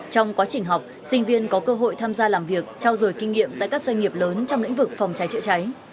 trong quá trình học sinh viên có cơ hội tham gia làm việc trao dồi kinh nghiệm tại các doanh nghiệp lớn trong lĩnh vực phòng cháy chữa cháy